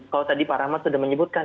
kalau tadi pak rahmat sudah menyebutkan